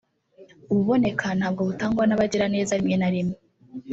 ububoneka nabwo butangwa n’abagiraneza rimwe na rimwe